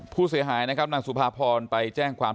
ผู้เสียหายนะครับนางสุภาพรไปแจ้งความ